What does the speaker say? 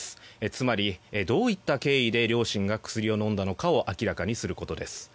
つまり、どういった経緯で両親が薬を飲んだのかを明らかにすることです。